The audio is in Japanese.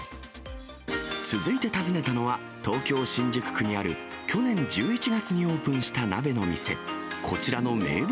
続いて訪ねたのは、東京・新宿区にある去年１１月にオープンした鍋の店。